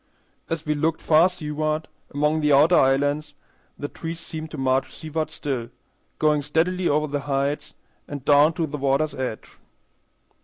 As we looked far seaward among the outer islands, the trees seemed to march seaward still, going steadily over the heights and down to the water's edge.